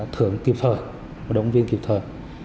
thưởng kịp thời động viên kịp thời